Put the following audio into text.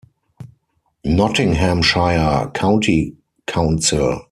Nottinghamshire County Council